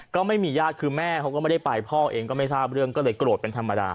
ก็ไม่มีญาติคือแม่เขาก็ไม่ได้ไปพ่อเองก็ไม่ทราบเรื่องก็เลยโกรธเป็นธรรมดา